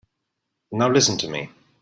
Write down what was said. Now listen to me.